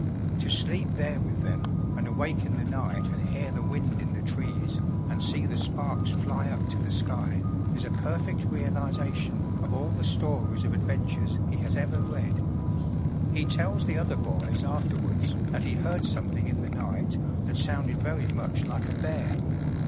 To sleep there with them, and awake in the night and hear the wind in the trees, and see the sparks fly up to the sky, is a perfect realization of all the stories of adventures he has ever read. He tells the other boys afterwards that he heard something in the night that sounded very much like a bear.